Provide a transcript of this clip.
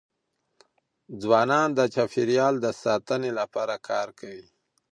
ځوانان د چاپېریال د ساتني لپاره کار کوي.